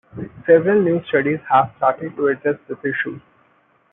Several new studies have started to address this issue.